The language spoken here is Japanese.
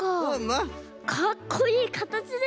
かっこいいかたちですねえ。